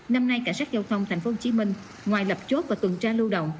năm nay cảnh sát giao thông tp hcm ngoài lập chốt và tuần tra lưu động